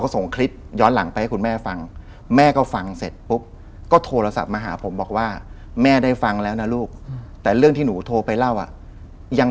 คุณตาคุณยายเนี่ย